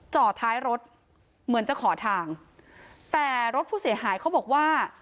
จอดท้ายรถเหมือนจะขอทางแต่รถผู้เสียหายเขาบอกว่า